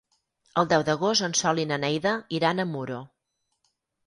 El deu d'agost en Sol i na Neida iran a Muro.